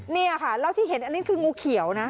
นี่ค่ะแล้วที่เห็นอันนี้คืองูเขียวนะ